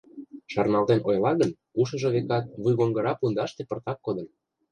Шарналтен ойла гын, ушыжо, векат, вуйгоҥгыра пундаште пыртак кодын.